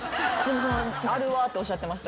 「あるわ」っておっしゃってました。